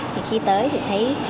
thì khi tới thì thấy